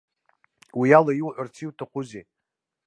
Уиала иуҳәарц иуҭахузеи?